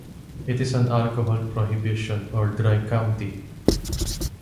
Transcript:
It is an alcohol prohibition or dry county.